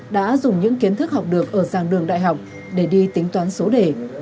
đã dùng những kiến thức học được ở dàng đường đại học để đi tính toán số đề